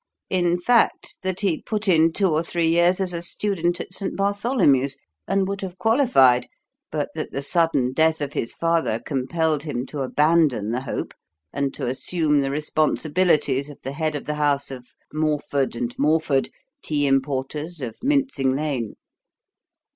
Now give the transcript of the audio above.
In fact, that he put in two or three years as a student at St. Bartholomew's, and would have qualified, but that the sudden death of his father compelled him to abandon the hope and to assume the responsibilities of the head of the house of Morford & Morford, tea importers, of Mincing Lane."